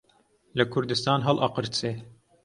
لە کوردستان هەڵئەقرچێ